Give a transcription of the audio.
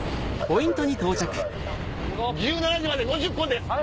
１７時まで５０分です。